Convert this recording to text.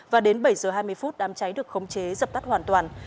và đến bảy giờ hai mươi đám cháy được khống chế dập tắt hoàn toàn